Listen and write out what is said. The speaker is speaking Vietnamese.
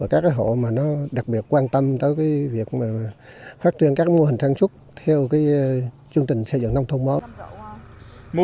các hộ đặc biệt quan tâm tới việc phát triển các mô hình sản xuất theo chương trình xây dựng nông thông mẫu